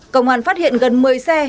công an phát hiện gần một mươi xe